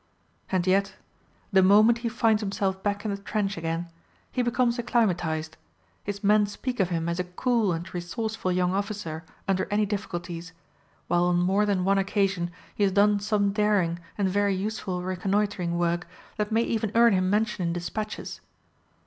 And yet, the moment he finds himself back in the trench again, he becomes acclimatised; his men speak of him as a cool and resourceful young officer under any difficulties, while on more than one occasion he has done some daring and very useful reconnoitring work that may even earn him mention in despatches.